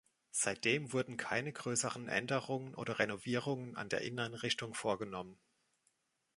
Seitdem wurden keine größeren Änderungen oder Renovierungen an der Inneneinrichtung vorgenommen.